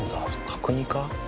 角煮か？